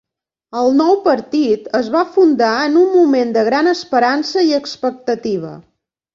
El nou partit es va fundar en un moment de gran esperança i expectativa.